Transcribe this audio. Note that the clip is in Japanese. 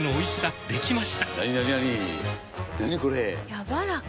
やわらか。